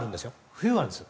冬はあるんです。